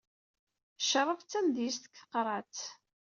Ccrab d tamedyezt deg tqerɛet.